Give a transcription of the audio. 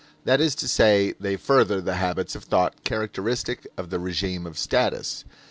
That is to say, they further the habits of thought characteristic of the regime of status.